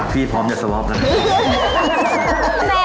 ที่พร้อมยัดสวอปแล้วเหรอ